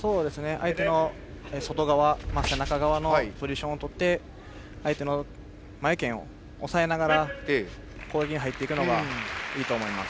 相手の外側、背中側のポジションをとって相手の前拳を押さえながら攻撃に入っていくのがいいと思います。